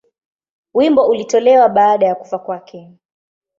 Wimbo ulitolewa baada ya kufa kwake.